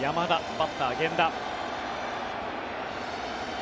バッター、源田。